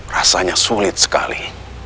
rasanya sulit sekali